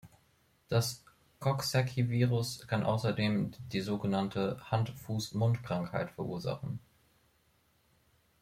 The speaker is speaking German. Das Coxsackie-Virus kann außerdem die sogenannte Hand-Fuß-Mund-Krankheit verursachen.